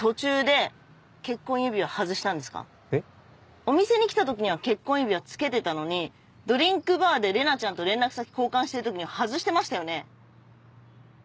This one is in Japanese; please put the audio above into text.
お店に来た時には結婚指輪つけてたのにドリンクバーで玲奈ちゃんと連絡先交換している時には外してましたよね？